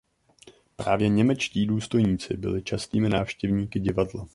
Právě němečtí důstojníci byli častými návštěvníky divadla.